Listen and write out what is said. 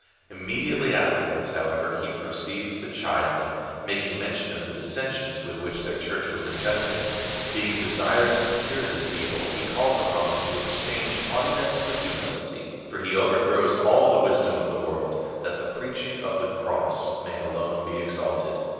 Immediately afterwards, how ever, he proceeds to chide them, making mention of the dissensions with which their Church was infested. Being: desirous to cure this evil, he calls upon them to exchange haughtiness for humility. For he overthrows all the wisdom of the world, that the preaching of the Cross may alone be exalted.